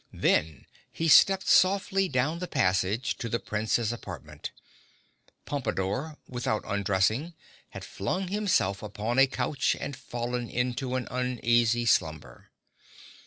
Then he stepped softly down the passage to the Prince's apartment. Pompadore, without undressing had flung himself upon a couch and fallen into an uneasy slumber.